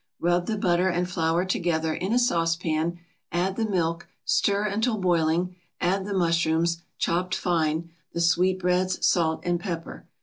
Rub the butter and flour together in a saucepan, add the milk, stir until boiling, add the mushrooms, chopped fine, the sweetbreads, salt and pepper.